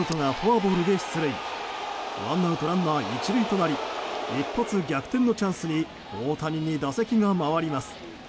ワンアウトランナー、１塁となり一発逆転のチャンスに大谷に打席が回ります。